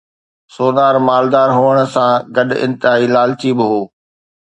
sonar مالدار هئڻ سان گڏ انتهائي لالچي به هو